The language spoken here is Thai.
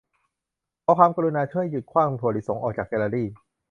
ขอความกรุณาช่วยหยุดขว้างถั่วลิสงออกจากแกลเลอรี